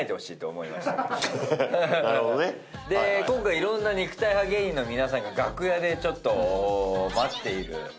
今回いろんな肉体派芸人の皆さんが楽屋で待っている。